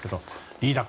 リーダー